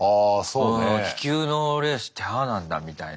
うん気球のレースってああなんだみたいな。